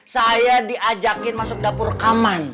saya diajakin masuk dapur rekaman